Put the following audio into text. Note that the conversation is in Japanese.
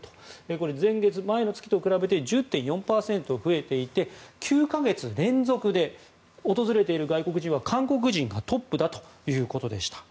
これ、前月、前の月と比べて１０．４％増えていて９か月連続で訪れている外国人は韓国人がトップだということでした。